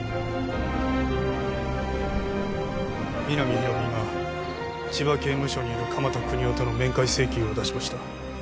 皆実広見が千葉刑務所にいる鎌田國士との面会請求を出しました